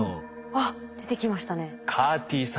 あっ出てきましたね。